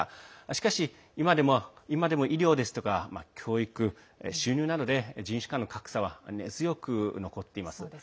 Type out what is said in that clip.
しかし、今でも医療ですとか教育、収入などで人種間の格差は根強く残っています。